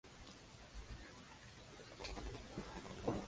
Consiste en un cráneo con las mandíbulas inferiores fragmentarias.